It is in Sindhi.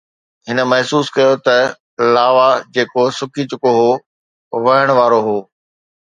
هن محسوس ڪيو ته لاوا، جيڪو سڪي چڪو هو، وهڻ وارو هو.